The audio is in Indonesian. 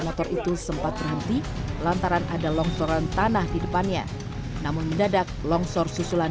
motor itu sempat berhenti lantaran ada longsoran tanah di depannya namun mendadak longsor susulan